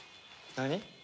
何！？